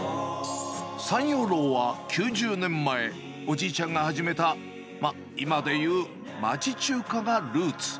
三陽楼は９０年前、おじいちゃんが始めた、今でいう町中華がルーツ。